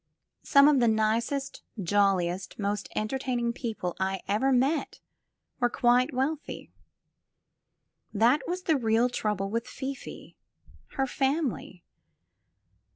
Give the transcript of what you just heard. Some of the nicest, joUiest, most entertaining people I ever met were quite wealthy. That was the real trouble with Fifi — her family.